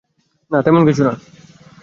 না, তেমন কিছু না।